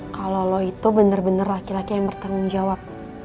kalo lo itu bener bener laki laki yang bertanggung jawab